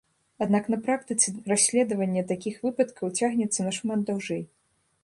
Аднак на практыцы расследаванне такіх выпадкаў цягнецца нашмат даўжэй.